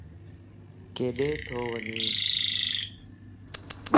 ڪيڏي تو وڃي؟